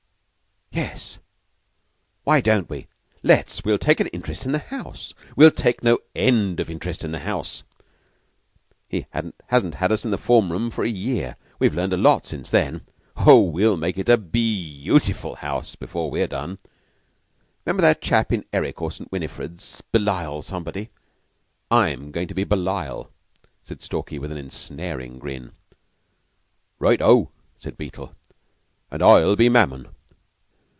"Yes, why don't we? Let's! We'll take an interest in the house. We'll take no end of interest in the house! He hasn't had us in the form rooms for a year. We've learned a lot since then. Oh, we'll make it a be autiful house before we've done! 'Member that chap in 'Eric' or 'St. Winifred's' Belial somebody? I'm goin' to be Belial," said Stalky, with an ensnaring grin. "Right O," said Beetle, "and I'll be Mammon.